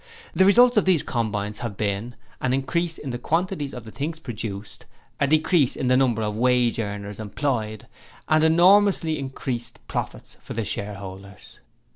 The results of these combines have been an increase in the quantities of the things produced: a decrease in the number of wage earners employed and enormously increased profits for the shareholders.